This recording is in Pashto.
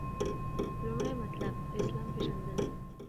لومړی مطلب : اسلام پیژندنه